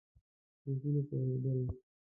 په اصولو پوهېدل.